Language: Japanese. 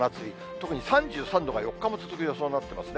特に３３度が４日も続く予想になってますね。